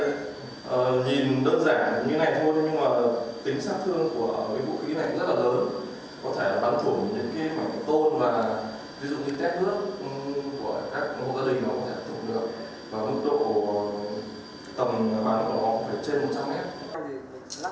của các ngôi gia đình nó có thể thuộc được và mức độ tầm bản hợp của họ được trên một trăm linh m